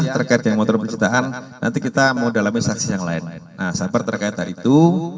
terkait yang motor percintaan nanti kita mau dalam saksi yang lain nah sabar terkait itu